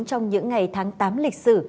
trong những ngày tháng tám lịch sử